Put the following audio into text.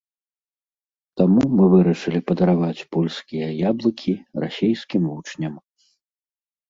Таму мы вырашылі падараваць польскія яблыкі расейскім вучням.